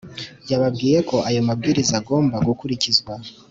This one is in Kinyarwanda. yababwiye ko ayo mabwiriza agomba gukurikizwa